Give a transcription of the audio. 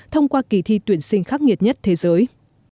thông qua kỳ thi tuyển sinh khắc nghiệt nhất thế giới